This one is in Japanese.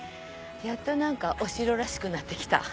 やっとお城らしくなってきた。